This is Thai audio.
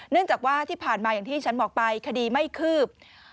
จากว่าที่ผ่านมาอย่างที่ฉันบอกไปคดีไม่คืบ